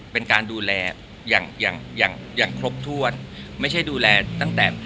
เป็นการดูแลอย่างอย่างครบถ้วนไม่ใช่ดูแลตั้งแต่